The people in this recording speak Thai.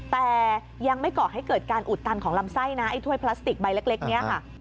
แต่ยังไม่ก่อให้เกิดการอุดตันของลำไส้นะไอ้ถ้วยพลาสติกใบเล็กนี้ค่ะ